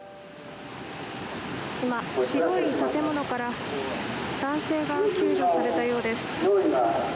今、白い建物から男性が救助されたようです。